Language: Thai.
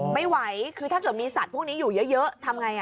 ไม่ไหวคือถ้าเกิดมีสัตว์พวกนี้อยู่เยอะทำไง